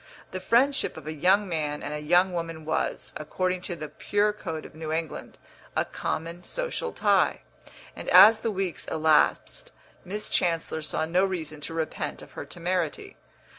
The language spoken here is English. The friendship of a young man and a young woman was, according to the pure code of New England, a common social tie; and as the weeks elapsed Miss Chancellor saw no reason to repent of her temerity.